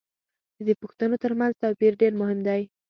د دې پوښتنو تر منځ توپیر دېر مهم دی.